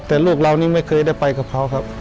แต่ลูกเรานี่ไม่เคยได้ไปกับเขาครับ